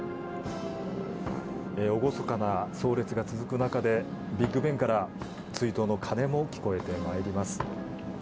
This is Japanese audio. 厳かな葬列が続く中でビッグベンから追悼の鐘も聞こえてまいります。